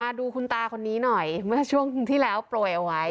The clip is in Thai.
มาดูคุณตาคนนี้หน่อยเมื่อช่วงที่แล้วโปรยเอาไว้